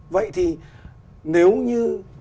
vậy thì nếu như